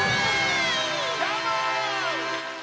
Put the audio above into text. どーも！